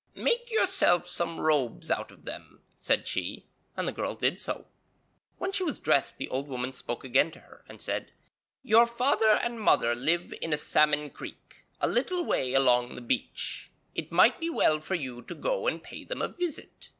'Make yourself some robes out of them,' said she, and the girl did so. When she was dressed, the old woman spoke to her again, and said: 'Your father and mother live in a salmon creek, a little way along the beach. It might be well for you to go and pay them a visit.'